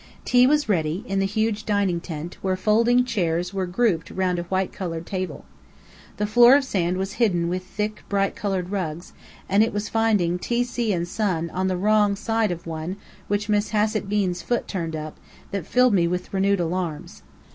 Tea was ready, in the huge dining tent, where folding chairs were grouped round a white covered table. The floor of sand was hidden with thick, bright coloured rugs, and it was finding "T. C. and Son" on the wrong side of one which Miss Hassett Bean's foot turned up, that filled me with renewed alarms.